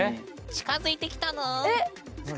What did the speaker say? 近づいてきた？